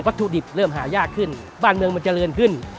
วัตถุดิบเริ่มหายากขึ้น